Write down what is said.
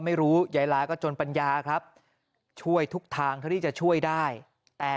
ยายลาก็จนปัญญาครับช่วยทุกทางเท่าที่จะช่วยได้แต่